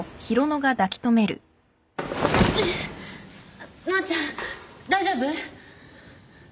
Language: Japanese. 乃愛ちゃん大丈夫？